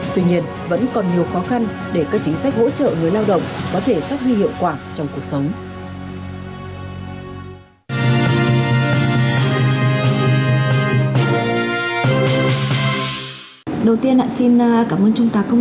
tuy nhiên vẫn còn nhiều khó khăn để các chính sách hỗ trợ người lao động có thể phát huy hiệu quả trong cuộc sống